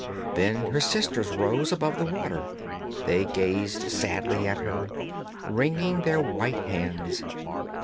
Then her sisters rose above the water; they gazed sadly at her, wringing their white hands.